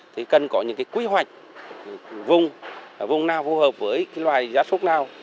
thì cần có những cái quy hoạch vùng vùng nào phù hợp với cái loài giá súc nào